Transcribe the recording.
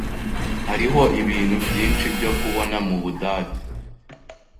Hariho ibintu byinshi byo kubona mubudage.